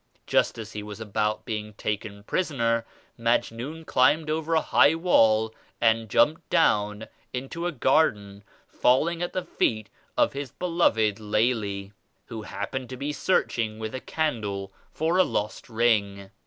Just as he was about being taken prisoner, Majnun climbed over a high wall and jumped down into a garden, falling at the feet of his beloved Laila who hap pened to be searching with a candle for a lost ring.